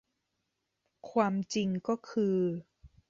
ความจริงก็คือ